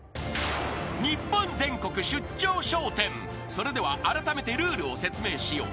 ［それではあらためてルールを説明しよう］